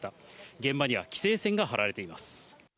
現場には規制線が張られています。